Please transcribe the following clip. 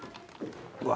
うわ。